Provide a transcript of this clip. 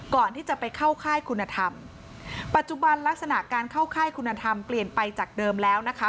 ก่อนที่จะไปเข้าค่ายคุณธรรมปัจจุบันลักษณะการเข้าค่ายคุณธรรมเปลี่ยนไปจากเดิมแล้วนะคะ